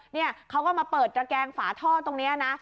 เนี่ยเขาก็มาเปิดตระแกงฝาท่อตรงนี้นะ